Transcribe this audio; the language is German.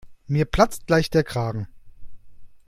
Mir platzt gleich der Kragen.